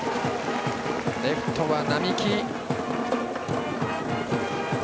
レフトは双木。